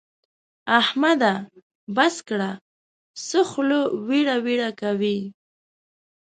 احمده! بس کړه؛ څه خوله ويړه ويړه کوې.